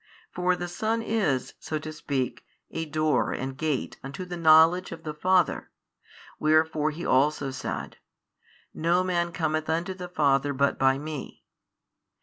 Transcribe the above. For the Son is (so to speak) a Door and Gate unto the knowledge of the Father, wherefore He also said, No man cometh unto the Father but by Me.